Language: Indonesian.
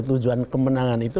tujuan kemenangan itu